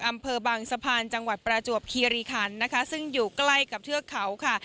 อำเภอบางสะพานจังหวัดประจวบคีรีคันนะคะซึ่งอยู่ใกล้กับเทือกเขาค่ะ